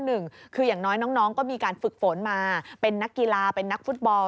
หนึ่งคืออย่างน้อยน้องก็มีการฝึกฝนมาเป็นนักกีฬาเป็นนักฟุตบอล